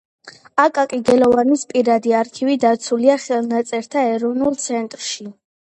აკაკი გელოვანის პირადი არქივი დაცულია ხელნაწერთა ეროვნულ ცენტრში.